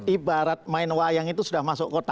ibarat main wayang itu sudah masuk kota